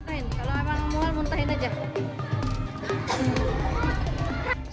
kalau emang mual muntahin aja